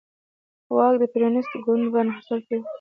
واک د پېرونېست ګوند په انحصار کې و.